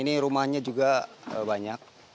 dan ini rumahnya juga banyak